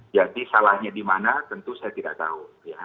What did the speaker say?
jadi salahnya di mana tentu saya tidak tahu